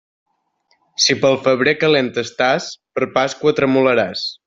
Si pel febrer calent estàs, per Pasqua tremolaràs.